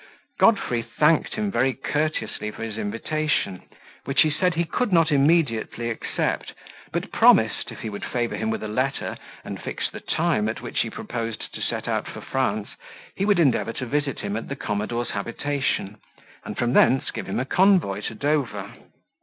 Godfrey thanked him very courteously for his invitation, which he said he could not immediately accept; but promised, if he would favour him with a letter, and fix the time at which he proposed to set out for France, he would endeavour to visit him at the commodore's habitation, and from thence give him a convoy to Dover.